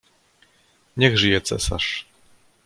"Niech żyje cesarz!"